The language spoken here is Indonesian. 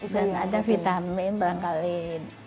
dan ada vitamin berangkalit